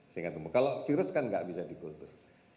sehingga kalau virus kan tidak bisa dikultur